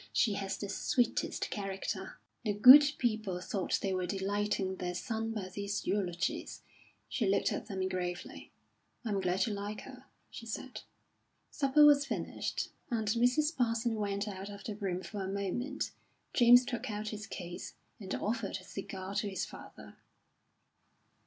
She has the sweetest character." The good people thought they were delighting their son by these eulogies. He looked at them gravely. "I'm glad you like her," he said. Supper was finished, and Mrs. Parsons went out of the room for a moment. James took out his case and offered a cigar to his father.